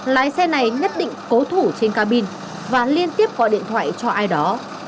lái xe này nhất định cố thủ trên cabin và liên tiếp gọi điện thoại cho ai đó